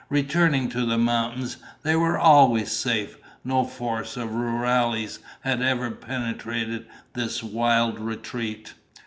Returning to the mountains, they were always safe. No force of rurales had ever penetrated this wild retreat.